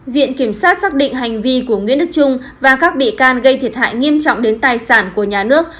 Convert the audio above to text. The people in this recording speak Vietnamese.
viện kiểm sát xác định hành vi của nguyễn đức trung và các bị can gây thiệt hại nghiêm trọng đến tài sản của nhà nước